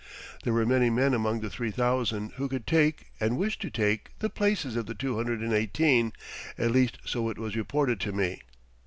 There were many men among the three thousand who could take, and wished to take, the places of the two hundred and eighteen at least so it was reported to me.